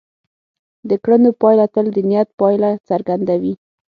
د کړنو پایله تل د نیت پایله څرګندوي.